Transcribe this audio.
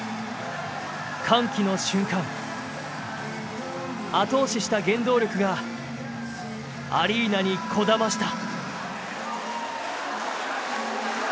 歓喜の瞬間後押しした原動力がアリーナにこだました。